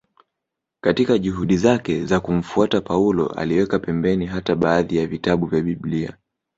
Katika juhudi zake za kumfuata Paulo aliweka pembeni hata baadhi ya vitabu vya Biblia